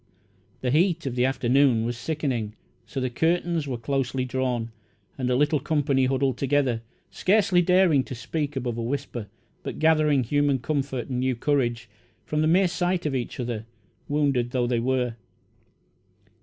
The heat of the afternoon was sickening, so the curtains were closely drawn, and the little company huddled together, scarcely daring to speak above a whisper, but gathering human comfort and new courage from the mere sight of each other, wounded though they were.